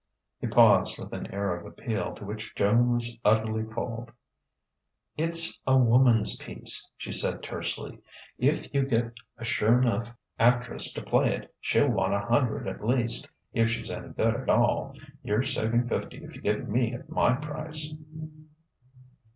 He paused with an air of appeal to which Joan was utterly cold. "It's a woman's piece," she said tersely; "if you get a sure 'nough actress to play it, she'll want a hundred at least, if she's any good at all. You're saving fifty if you get me at my price."